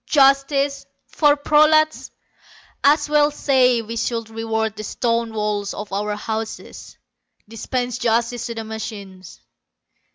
Justice! For prolats! As well say we should reward the stone walls of our houses; dispense justice to the machines.